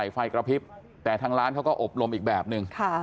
ไฟกระพริบแต่ทางร้านเขาก็อบรมอีกแบบนึง